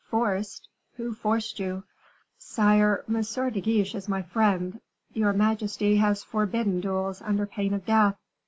"Forced? Who forced you?" "Sire, M. de Guiche is my friend. Your majesty has forbidden duels under pain of death.